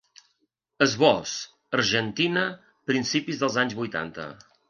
Esbós: Argentina, principis dels anys vuitanta.